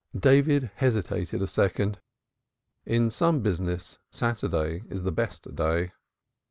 David hesitated a second. In some business, Saturday is the best day.